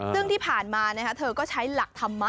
ซึ่งที่ผ่านมาเธอก็ใช้หลักธรรมะ